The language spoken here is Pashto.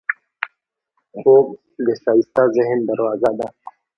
خوب د ښایسته ذهن دروازه ده